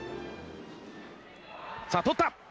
さあ、取った。